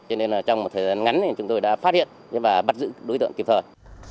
cho nên trong một thời gian ngắn chúng tôi đã phát hiện và bắt giữ đối tượng kịp thời